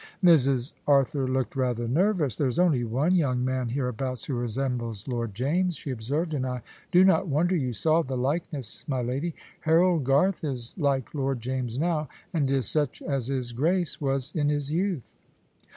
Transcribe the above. Mrs. Arthur looked rather nervous. "There is only one young man hereabouts who resembles Lord James," she observed, "and I do not wonder you saw the likeness, my lady. Harold Garth is like Lord James now, and is such as his Grace was in his youth."